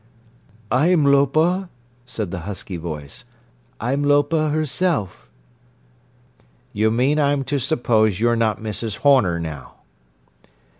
"I'm Lopa," said the husky voice. "I'm Lopa herself." "You mean I'm to suppose you're not Mrs. Horner now?"